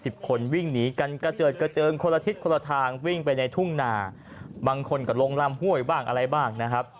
บางคนก็ลงร่ำห้วยบ้างอะไรบ้างนะครับ